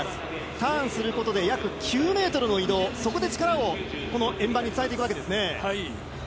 ターンすることで約９ｍの移動、これを円盤に伝えていくわけですね。